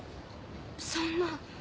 そんな。